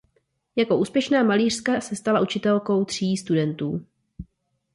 Jako úspěšná malířka se stala učitelkou tří studentů.